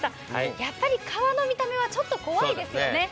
やっぱり皮の見た目は、ちょっと怖いですよね。